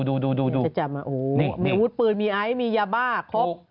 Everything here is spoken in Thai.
โอ้โฮมีพุทรปืนมีไอ้มียาบ้าครบ